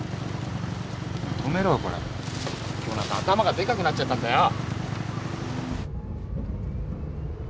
今日なんか頭がでかくなっちゃったんだよ。